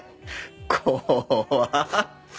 怖っ！